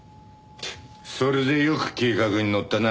それでよく計画に乗ったな。